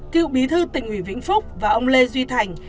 cựu bí thư tỉnh ủy vĩnh phúc và ông lê duy thành